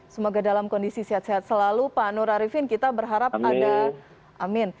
semoga dalam kondisi sehat sehat selalu pak nur arifin